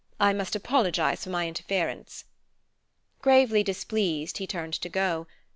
I must apologize for my interference." Gravely displeased, he turned to go.